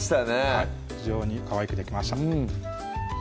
はい非常にかわいくできました